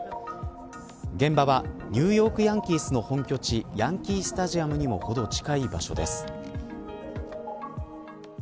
現場はニューヨークヤンキースの本拠地ヤンキースタジアムにもほど近い場所です。